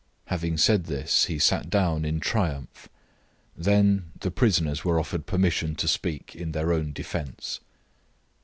Having said this he sat down in triumph. Then the prisoners were offered permission to speak in their own defence.